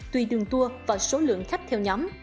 tùy đường tour và số lượng khách theo nhóm